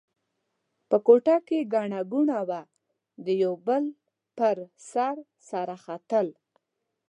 په کوټه کې ګڼه ګوڼه وه؛ د یوه بل پر سر سره ختل.